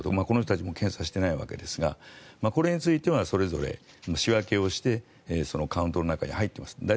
この人たちも検査していないわけですがこれについてはそれぞれ、仕分けをしてカウントに中に入っています。